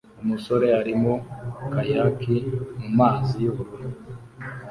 Umusore arimo kayakie mumazi yubururu